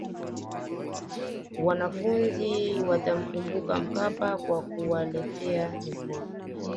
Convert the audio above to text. wanafunzi watamkumbuka mkapa kwa kuwaletea mikopo